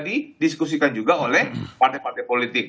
didiskusikan juga oleh partai partai politik